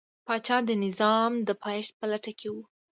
پاچا د نظام د پایښت په لټه کې و.